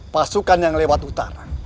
pasukan yang lewat utara